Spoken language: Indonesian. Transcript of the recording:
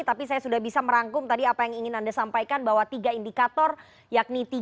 tapi saya sudah bisa merangkum tadi apa yang ingin anda sampaikan bahwa tiga indikator yakni tiga